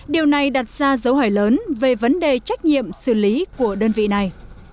điều này đặt ra dấu hỏi lớn về vấn đề trách nhiệm xử lý của đơn vị này